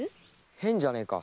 変じゃねえか。